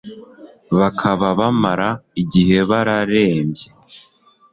bakaba bamara igihe bararembye